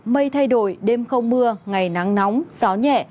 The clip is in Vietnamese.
mây thay đổi đêm không mưa ngày nắng nóng gió nhẹ